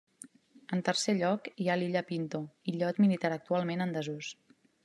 En tercer lloc hi ha l'Illa Pinto, illot militar actualment en desús.